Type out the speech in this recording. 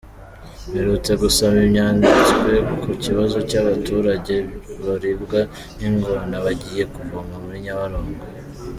Mperutse gusoma ibyanditswe ku kibazo cy’abaturage baribwa n’ingona bagiye kuvoma muri Nyabarongo.